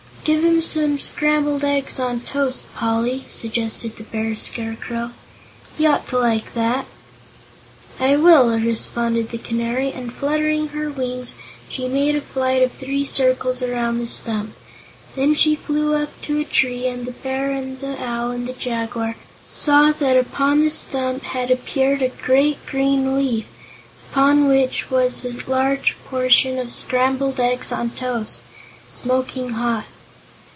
"Give him some scrambled eggs on toast, Poly," suggested the Bear Scarecrow. "He ought to like that." "I will," responded the Canary, and fluttering her wings she made a flight of three circles around the stump. Then she flew up to a tree and the Bear and the Owl and the Jaguar saw that upon the stump had appeared a great green leaf upon which was a large portion of scrambled eggs on toast, smoking hot.